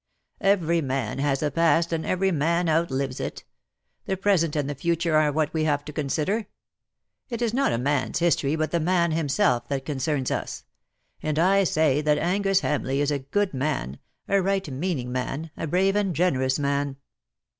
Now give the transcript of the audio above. " Every man has a past, and every man outlives it. The present and the future are what we have to consider. It is not a man^s history, but the man himself, that concerns us; and I say that Angus Hamleigh is a good man, a right meaning man, a brave and generous man.